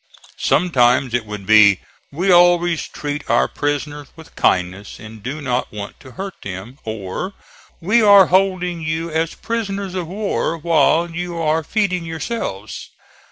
Sometimes it would be: "We always treat our prisoners with kindness and do not want to hurt them;" or, "We are holding you as prisoners of war while you are feeding yourselves."